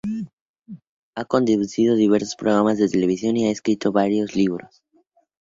Ha conducido diversos programas de televisión y ha escrito varios libros.